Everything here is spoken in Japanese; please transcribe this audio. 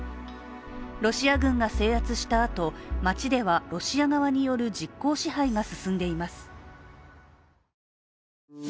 ロシア軍が制圧したあと、街ではロシア側による実効支配が進んでいます。